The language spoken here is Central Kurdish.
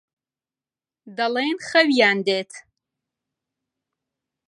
دەڵێن خەویان دێت.